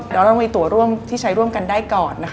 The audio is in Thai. เราต้องมีตัวร่วมที่ใช้ร่วมกันได้ก่อนนะคะ